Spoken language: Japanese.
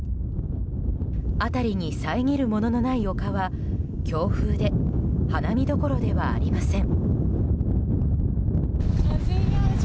辺りにさえぎるもののない丘は強風で花見どころではありません。